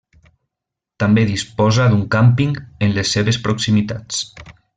També disposa d'un càmping en les seves proximitats.